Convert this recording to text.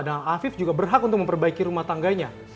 nah afif juga berhak untuk memperbaiki rumah tangganya